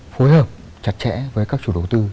phối hợp chặt chẽ với các chủ đầu tư